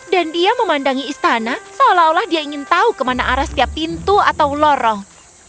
dan dia memandangi istana seolah olah dia ingin tahu ke mana arah setiap pintu atau lorong